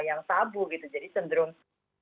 yang sabuk itu jadi cenderung khayang kita tanpa diskon